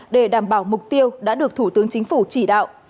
để đảm bảo mục tiêu đã được thủ tướng chính phủ chỉ đạo